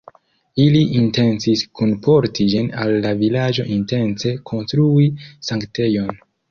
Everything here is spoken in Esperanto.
Ili intencis kunporti ĝin al la vilaĝo intence konstrui sanktejon.